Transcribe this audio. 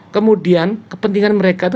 kemudian kepentingan mereka itu